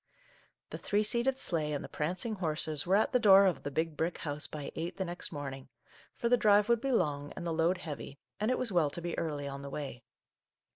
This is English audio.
The three seated sleigh and the prancing horses were at the door of the Big Brick House by eight the next morning, for the drive would be long and the load heavy, and it was well to be early on the way.